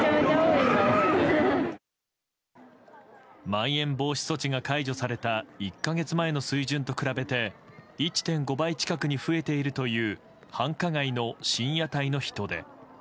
まん延防止措置が解除された１か月前の水準と比べて１．５倍近くに増えているという繁華街の深夜帯の人出。